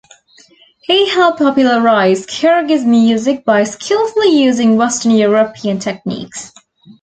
He helped popularize Kyrgyz music by skillfully using Western European techniques.